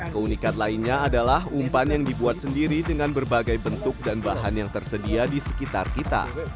keunikan lainnya adalah umpan yang dibuat sendiri dengan berbagai bentuk dan bahan yang tersedia di sekitar kita